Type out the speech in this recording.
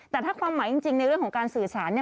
แต่ถ้าความหมายจริงในเรื่องของการสื่อสารเนี่ย